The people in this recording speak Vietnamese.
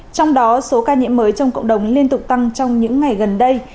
trong đó số ca nhiễm mới trong cộng đồng liên tục tăng trong những ngày gần đây